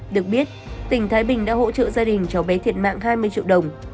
được biết tỉnh thái bình đã hỗ trợ gia đình cháu bé thiệt mạng hai mươi triệu đồng